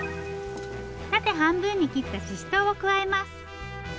縦半分に切ったししとうを加えます。